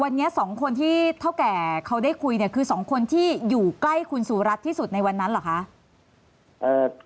วันนี้๒คนที่เท่าแก่เขาได้คุยเนี่ยคือ๒คนที่อยู่ใกล้คุณสุรัตน์ที่สุดในวันนั้นเหรอคะ